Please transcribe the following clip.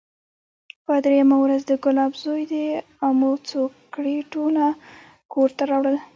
پر درېيمه ورځ د ګلاب زوى د امو څو کرېټونه کور ته راوړل.